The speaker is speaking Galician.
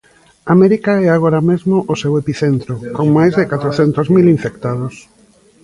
América é agora mesmo o seu epicentro, con máis de catrocentos mil infectados.